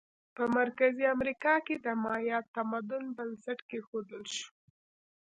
په مرکزي امریکا کې د مایا تمدن بنسټ کېښودل شو.